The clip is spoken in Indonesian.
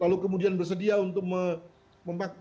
lalu kemudian bersedia untuk mempergunakan insulasi